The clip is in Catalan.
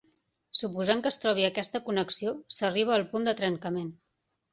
Suposant que es trobi aquesta connexió, s'arriba al punt de trencament.